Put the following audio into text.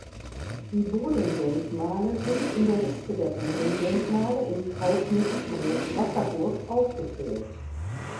Die Bodendenkmale sind in der Liste der Bodendenkmale in Krausnick-Groß Wasserburg aufgeführt.